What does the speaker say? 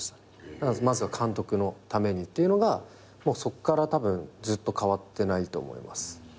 まずは監督のためにっていうのがそっからたぶんずっと変わってないと思います。